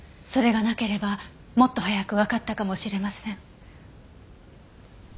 それがなければもっと早くわかったかもしれません。